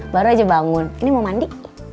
baru aja bangun ini mau mandi